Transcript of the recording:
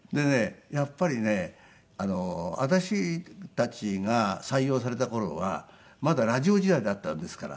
やっぱりね私たちが採用された頃はまだラジオ時代だったんですから。